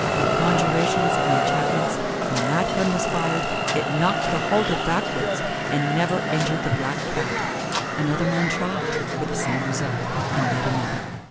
By conjurations and enchantments, when that gun was fired, it knocked the holder backwards, and never injured the black Cat. Another man tried, with the same result, and yet another.